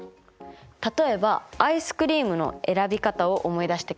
例えばアイスクリームの選び方を思い出してください。